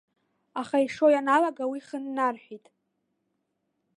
Аха ишо ианалага уи хыннарҳәит.